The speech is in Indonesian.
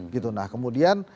gitu nah kemudian